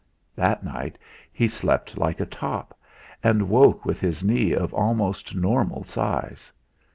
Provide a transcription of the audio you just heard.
That night he slept like a top, and woke with his knee of almost normal size.